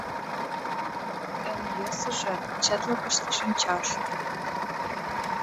Эн йӧсыжӧ — четлыкыште шинчаш.